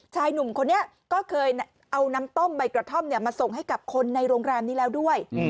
ชายหนุ่มคนนี้ก็เคยเอาน้ำต้มใบกระท่อมมาส่งให้กับคนในโรงแรมนี้แล้วด้วย